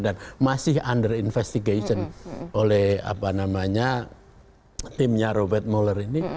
dan masih under investigation oleh timnya robert mueller ini